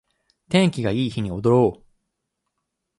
天気がいい日に踊ろう